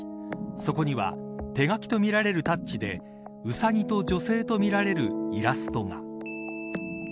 そこには、手書きとみられるタッチでうさぎと女性とみられるイラストが。